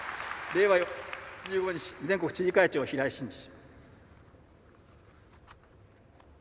令和４年５月１５日全国知事会長平井伸治。